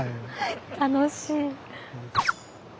楽しい。